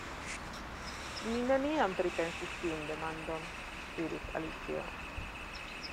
"Mi neniam pripensis tiun demandon," diris Alicio.